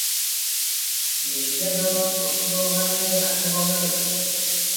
ବିଦ୍ୟାଧର ଶ୍ୱଶୁର ଘରେ ରାଜଭୋଗରେ ଅଛି ।